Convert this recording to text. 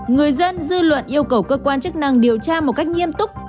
người dân dư luận yêu cầu cơ quan chức năng điều tra một cách nghiêm túc